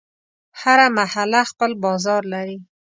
هره محله خپل بازار لري.